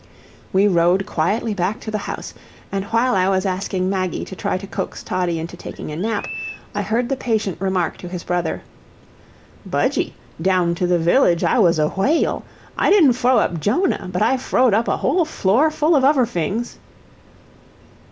We rode quietly back to the house, and while I was asking Maggie to try to coax Toddie into taking a nap, I heard the patient remark to his brother: "Budgie, down to the village I was a whay al. I didn't froe up Djonah, but I froed up a whole floor full of uvver fings."